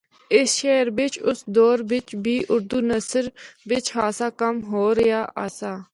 اس شہر بچ اُس دور بچ بھی اُردو نثر بچ خاصا کم ہو رہیا آسا۔